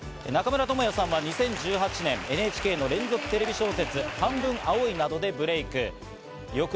中村倫也さんは２０１８年、ＮＨＫの連続テレビ小説『半分、青い。』などでブレイク。